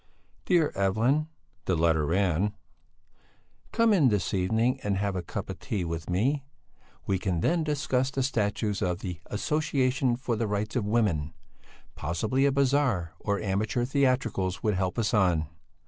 DEAR EVELYN the letter ran: Come in this evening and have a cup of tea with me; we can then discuss the statutes of the "Association for the Rights of Women." Possibly a bazaar or amateur theatricals would help us on.